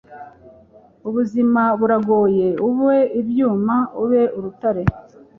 ubuzima buragoye; ube ibyuma; ube urutare